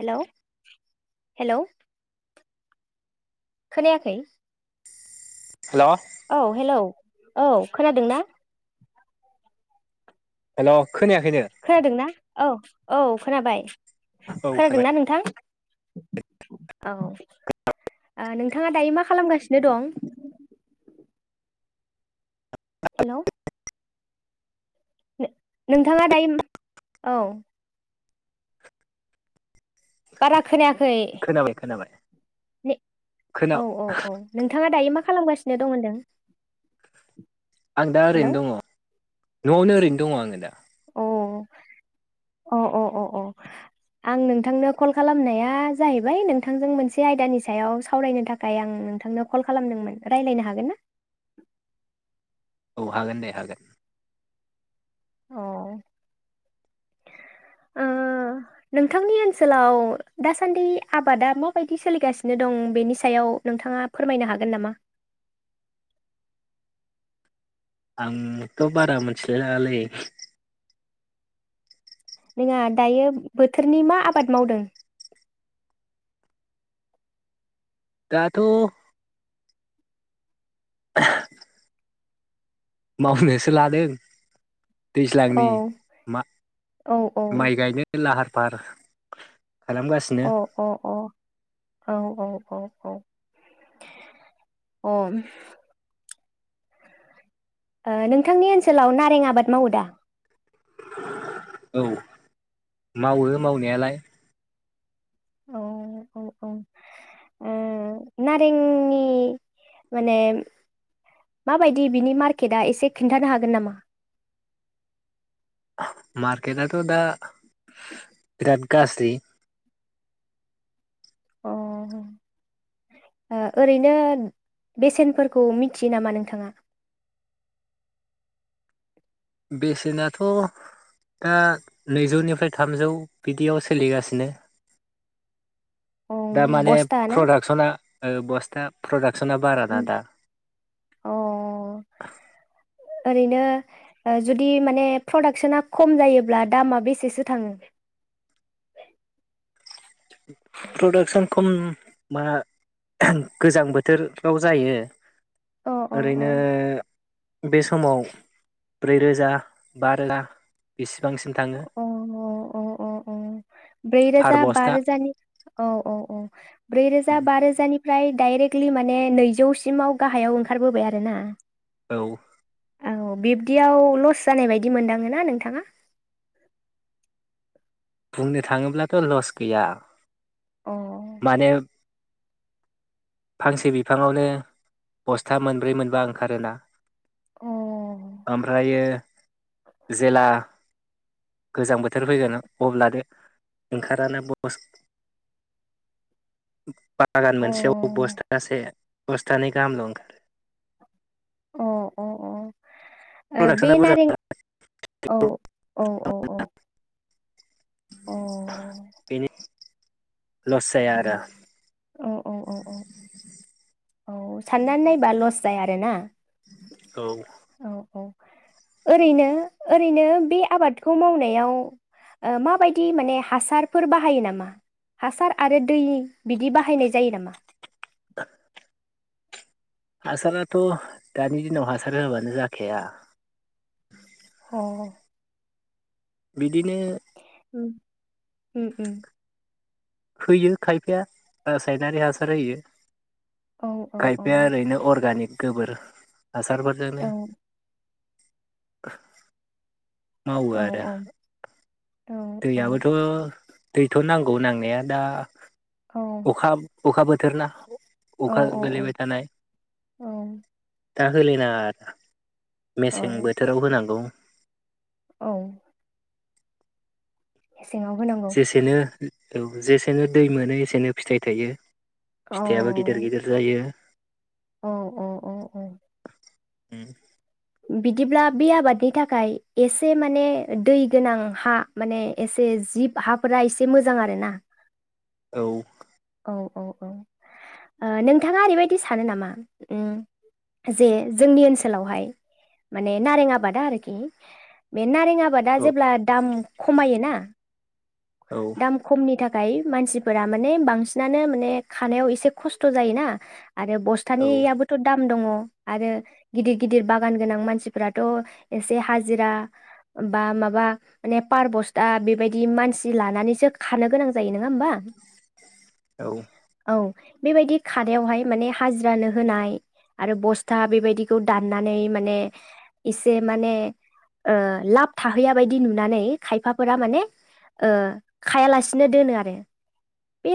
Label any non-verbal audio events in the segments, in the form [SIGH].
हेल hello खोनायाखै hello. औ hello औ खोनादों ना? हेल खोनायाखैनो खोनादोंनाा औ-औ खोनाबाय। औ खोनाबाय खोनादोंनाा नोंथां? औ नोंथाङा दायो मा खालामगासिनो दं? हेल नोंथाङा दायो औ बारा खोनायाखै खोनाबाय खोनाबाय खोना औ औ‌ औ नोंथाङा दायो मा‌ खालामगासिनो दं होनदों आं दा हेलौ ओरैनो दङ नआवनो ओरैनो दङ आङो दा। अ अ अ अ अ आं नोंथांनो कल खालामनाया जाहैबाय नोंथांजों मोनसे आयदानि सायाव सावरायनो थाखाय आं नोंथांनो कल खालामदोंमोन रायलायनो हागोन ना? औ हागोन दे हागोन अ नोंथांनि ओनसोलाव दासान्दि आबादा माबायदि सोलिगासिनो दं बेनि सायाव नोंथाङा फोरमायनो हागोन नामा? आंथ बारा मोनथिलायला लालै नोङा दायो बोथोरनि मा आबाद मावदों? दाथ [UNINTELLIGIBLE] [INAUDIBLE] मावनोसो लादों औ दैज्लांनि मा औ औ माइ गायनो लाहार बार अ अ अ औ औ औ औ अ नोंथांनि ओनसोलाव नारें आबाद मावो दा? [INAUDIBLE] औ मावो मावनायालाय। औ औ औ ओ नारेंनि माने माबायदि बिनि मार्केटआ एसे खिन्थानो हागोन नामा? मार्केटआथ' दा बिराद गाज्रि। अ ओ ओरैनो बेसेनफोरखौ मिथियो नामा नोंथाङा बेसेनाथ दा नैजौनिफ्राय थामजौ बिदियाव सोलिगासिनो। अ दा माने बस्था ना प्रडाक्सना ओ बस्था प्रडाक्ट [UNINTELLIGIBLE] बारा ना उम दा अ ओरैनो ओ जुदि माने प्रडाक्सोना खम जायोब्ला दामा बेसेसो थाङो? प्रडाक्सन खम मा [INAUDIBLE] गोजां बोथोराव जायो अ अ ओरैनो बे समाव ब्रै रोजा बा रोजा बेसि अ अ अ अ ब्रै फार रोजा बा बस्था रोजानि औ औ औ। ब्रै रोजा बा रोजानि फ्राय डाइरेक्टलि माने नैजौ सिमाव गाहायाव ओंखारबोबाय आरो ना। औ। औ बिब्दियाव लस जानाय बायदि मोनदाङो ना नोंथाङा? [INAUDIBLE] बुंनो थाङोब्लाथ लस गैया अ माने फांसे बिफाङावनो बस्था मोनब्रै मोनबा ओंखारोना अ ओमफ्रायो जेला गोजां बोथोर फैगोन अब्लाद ओंखाराना [UNINTELLIGIBLE] बागान अ मोनसेयाव ब बस्थासे बस्थानै गाहामल ओंखारो। अ अ अ ओ बे प्रडाक्सना बुरजा नारें औ औ औ औ अ बेनि लस जाया आरो। औ औ औ औ औ साननानै नायबा लस जाया आरोना। औ औ औ ओरैनो ओरैनो बे आबादखौ मावनायाव ओ माबायदि माने हासारफोर बाहायो नामा हासार आरो दै बिदि बाहायनाय जायो नामा? हासाराथ' दानि दिनाव हासार होयाबानो जाखाया औ बिदिनो उम उम उम खोयो खायफाया रासायनारि हासार होयो। औ औ औ खायफाया ओरैनो अरगानिक गोबोर हासारफोरजोंनो [INAUDIBLE] मावो औ आरो औ औ दै आबोथ दैथ' नांगौ नांनाया दा औ अखा अखा बो थोरना औ अखा गोलैबाय थानाय दा होलिना औ मेसें बोथोराव होनांगौ औ मेसेङाव होनांगौ जेसेनो औ जेसेनो दै मोनो एसेनो फिथाइ थायो औ फिथाइयाबो गिदिर गिदिर जायो। औ औ औ औ उम बिदिब्ला बे आबादनि थाखाय एसे माने दै गोनां हा माने एसे जिब हाफोरा एसे मोजां आरो ना। औ औ औ औ ओ नोंथाङा ओरैबायदि सानो नामा उम जे जोंनि ओनसोलावहाय माने नारें आबादा आरोखि बे नारें आबादा जेब्ला दाम खमायोना औ [INAUDIBLE] दाम खमनि थाखाय मानसिफोरा माने बांसिन माने माने खानायाव एसे खस्थ जायोना आरो औ बस्थानियाबोथ दाम दङ। आरो गिदिर गिदिर बागान गोनां मानसिफोराथ एसे हाजिरा बा माबा माने पार बस्था बेबायदि मानसि लानानैसो खानो गोनां जायो नङा होमबा। औ औ बेबायदि खादावहाय माने हाजिरानो होनाय आरो बस्था बेबायदिखौ दाननानै माने एसे माने ओ लाब थाहैया बायदि नुनानै खायफाफोरा माने ओ खायालासिनो दोनो आरो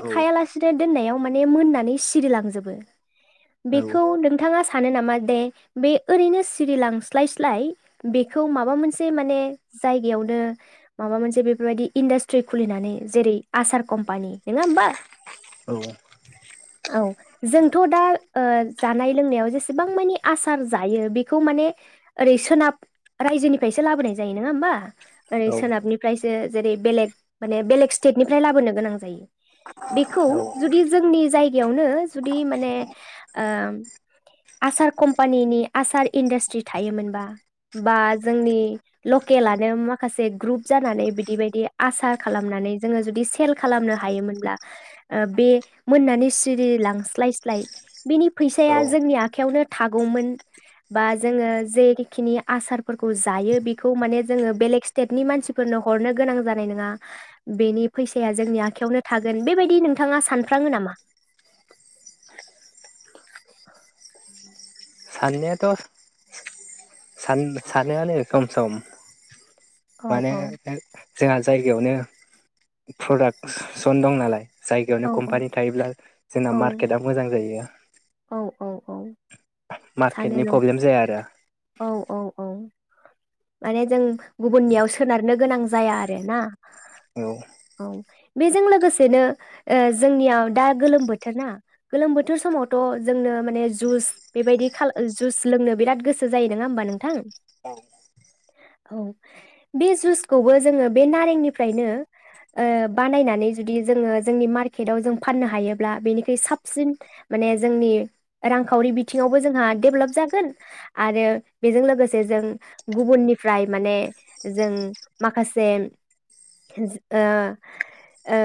औ खायालासिनो दोननायाव माने मोननानै सिरिलांजोबो। औ बेखौ नोंथाङास सानो नामा दे बे ओरैनो सिरिलांस्लाय स्लाय बेखौ माबा मोनसे माने जायगायावनो माबा मोनसे बेफोरबायदि इन्डास्ट्रि खुलिनानै जेरै आसार कम्पानि नङा होमबा औ औ जोंथ' दा ओ जानाय लोंनायाव जेसेबां मानि आसार जायो बेखौ माने ओरै सोनाब रायजोनिफ्रायसो लाबोनाय जायो नोङा होमबा? ओरै औ सोनाबनिफ्रायसो जेरै बेलेग माने बेलेग स्टेटनिफ्राय लाबोनो गोनां जायो। बेखौ औ औ जुदि जोंनि जायगायावनो जुदि माने ओम आसार कम्पानिनि आसार इन्डास्ट्रि थायोमोनबा बा जोंनि लकेलानो माखासे ग्रुप जानानै बिदि बायदि आसार खालामनानै जोङो जुदि सेल खालामनो हायोमोनब्ला ओ बे मोननानै सिरि लांस्लाय स्लाय बिनि फैसाया औ जोंनि आखायावनो थागौमोन बा जोङो जेखिनि आसार फोरखौ जायो बेखौ माने जोङो बेलेग स्टेटनि मानसिफोरनो हरनो गोनां जानाय नोङा बेनि फैसाया जोंनि आखायावनो थागो गोन बेबायदि नोंथाङा सानफ्राङो नामा साननायाथ' सान सानोआनो सम सम औ माने औ ओ जोंहा जाय बेयावनो प्रडाक्सन दं नालाय जायगायावनो औ औ कम्पानि थायोब्ला जोंना औ मार्केटआ मोजां जायो। औ औ औ। सानो मार्केटनि न प्रब्लेम जाया आरो औ औ औ माने जों गुबुननियाव सोनारनो गोनां जाया आरो ना? औ औ। बेजों लोगोसेनो ओ जोंनियाव दा गोलोम बोथोर ना गोलोम बोथोर समावथ' जोंनो माने जुस बेबायदि खा जुस लोंनो बिराद गोसो जायो नङा हबा नोंथां औ बे जुसखौबो जोङो बे नारेंनिफ्रायनो ओ बानायनानै जुदि जोङो जोंनि मार्केटआव जों फाननो हायोब्ला बेनिख्रुइ साबसिन माने जोंनि रांखावरि बिथिङावबो जोंहा डेभेलप जागोन। आरो बेजों लोगोसे जों गुबुननिफ्राय माने जों माखासे ओ ओ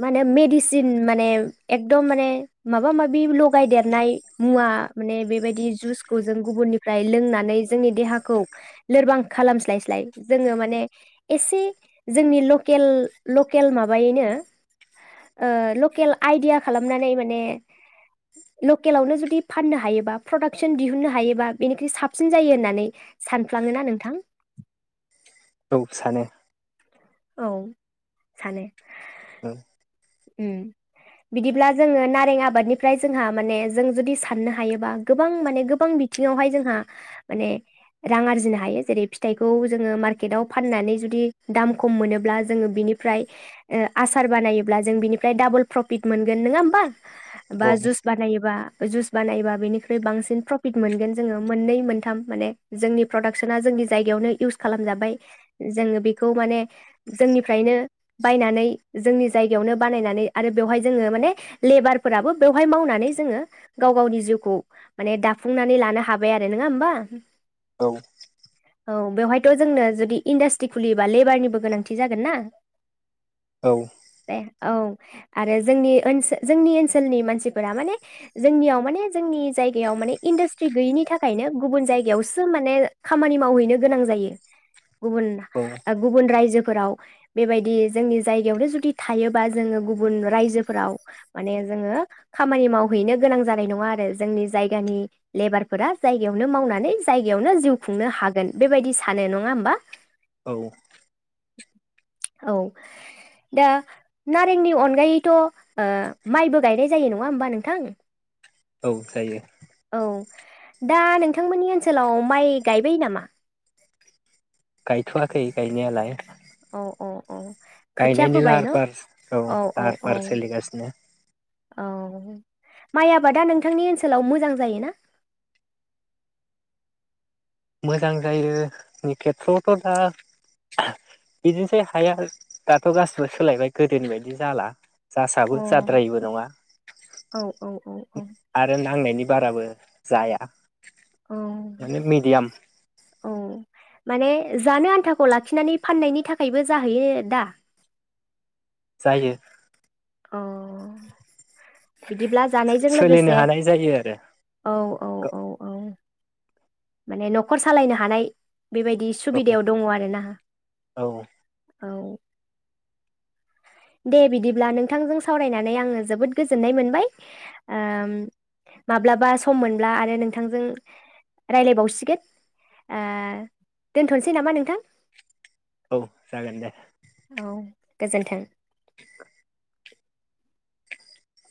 मा होनो मेडिसिन माने एकदम माने माबा माबि लगायदेरनाय मुवा माने बेबायदि जुसखौ जों गुबुननिफ्राय लोंनानै जोंनि देहाखौ लोरबां खालामस्लाय स्लाय जोङो माने एसे जोंनि लकेल लकेल माबायैनो ओ लकेल आइदिया खालामनानै माने लकेलआवनो जुदि फाननो हायोबा प्रडाकसन दिहुननो हायोबा बेनिख्रुइ साबसिन जायो होननानै सानफ्लाङोना नोंथां? औ सानो औ सानो ओम बिदिब्ला जोङो नारें आबादनिफ्राय जोंहा माने जों जुदि साननो हायोबा गोबां माने गोबां बिथिङावहाय जोंहा माने रां आरजिनो हायो जेरै फिथाइखौ जोङो मार्केटाव फाननानै जुदि दाम खम मोनोब्ला जोङो बिनिफ्राय ओ आसार बानायो ब्ला जों बिनिफ्राय दाबल प्रफिद मोनगोन नङा होनबा बा औ जुस बानायोब्ला जुस बानायोब्ला बेनिफ्राय बेसेबां प्रफिद मोनगोन जोंङो मोनै मोनथाम माने जोंनि प्रडाक्टस आ जोंनि जायगायावनो इउस खाबलामजाबाय जोंङो बेखौ माने जोंनिफ्रायनो बायनानै जोंनि जायगायावनो बानायनानै आरो बेवहाय जोङो माने लेबारफोराबो बेवहाय मावनानै जोङो गाव गावनि जिउखौ माने दाफुंनानै लानो हाबाय आरो नोङा होमबा? औ। औ बेवहायथ' जोंनो जुदि इन्डास्ट्रि खुलियोब्लाा लेबारनिबो गोनांथि जागोन ना औ दे औ आरो जोंनि ओनसो जोंनि ओनसोलनि मानसिफोरा माने जोंनियाव माने जोंनि जायगायाव माने इन्डासट्रि गैयिनि थाखायनो गुबुन जायगायावसो माने खामानि मावहैनो गोनां जायो। गुबुन गुबुन रायजोफोराव बेबायदि जोंनि जायगायावनो जुदि थायोबा जोङो गुबुन रायजोफोराव माने जोङो खामानि मावहैनो गोनां जानाय नङा आरो जोंनि जायगानि लेबारफोरा जायगायावनो मावनानै जायगायावनो जिउ खुंनो हागोन बेबायदि सानो नङा होमबा औ औ दा नारेंनि अनगायैथ' माइबो गायनाय जायो नङा होमबा नोंथां औ थायो। औ दा नोंथांमोननि ओनसोलाव माइ गायबाय नामा? गायथवाखै गायनायालाय। औ औ औ। खोथिया गायनायनि फोबाय लाहार न' फाहार औ लाहार फाहार सोलिगासिनो। औ माइ आबादा नोंथांनि ओनसोलाव मोजां जाय ना? मोजां जायो नि खेथ्रआवथ' दा बिदिनोसै हाया दाथ' गासिबो सोलायबाय गोदोनि बायदि जाला जासाबो अ जाद्रायबो नङा। औ औ औ औ आरो नांनो बेनि बाराबो जाया। औ माने मिडियाम औ माने जानो आन्थाखौ लाखिनानै फाननायनि थाखायबो जाहैयो दा? जायो। अ बिदिब्ला जानायजों सोलिनो लोगोसे हानाय जायो आरो औ औ औ औ माने नखर सालायनो हानाय बेबायदि औ सुबिदायाव दङ आर ना औ औ। दे बिदिब्ला नोंथांजों सावरायनानै आङो जोबोद गोजोननाय मोनबाय माब्लाबा सम मोनब्ला आरो नोंथांजों राय्लायबावसिगोन आ दोनथसै नामा नोंथां औ जागोन दे। औ गोजोन्थों।